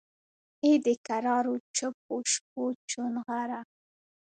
ای دکرارو چوپو شپو چونغره!